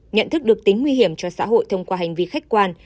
nhận thức được tính nguy hiểm cho xã hội thông qua hành vi khách quan